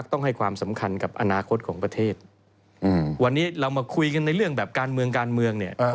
โดยกดแรงดันตรงนี้